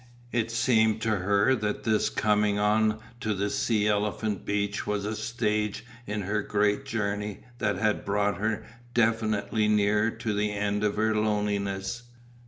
It seemed to her that this coming on to the sea elephant beach was a stage in her great journey that had brought her definitely nearer to the end of her loneliness.